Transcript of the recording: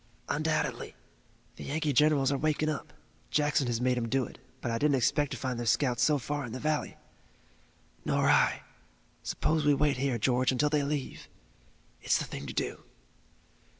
"Undoubtedly. The Yankee generals are waking up Jackson has made 'em do it, but I didn't expect to find their scouts so far in the valley." "Nor I. Suppose we wait here, George, until they leave." "It's the thing to do."